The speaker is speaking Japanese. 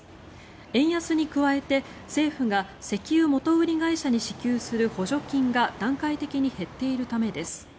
円安に加えて政府が石油元売り会社に支給する補助金が段階的に減っているためです。